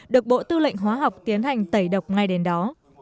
được bộ tư lệnh hóa học tiến hành tẩy độc ngay đến đó